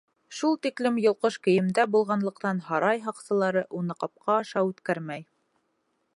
Шул тиклем йолҡош кейемдә булғанлыҡтан һарай һаҡсылары уны ҡапҡа аша үткәрмәй.